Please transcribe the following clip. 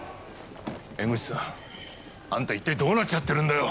江口さんあんた一体どうなっちゃってるんだよ。